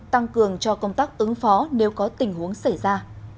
tăng cường cho công tác ứng phó nếu có tình huống xảy ra